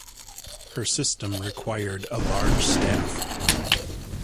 Her system required a large staff.